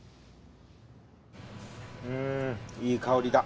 うーんいい香りだ。